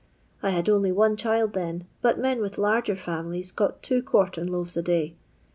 I had only one child then, but men with larger fiunilies got two quartern loaves a day.